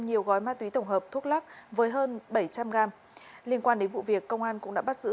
nhiều gói ma túy tổng hợp thuốc lắc với hơn bảy trăm linh gram liên quan đến vụ việc công an cũng đã bắt giữ